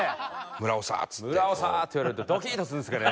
「村長！って言われるとドキッとするんですけどね」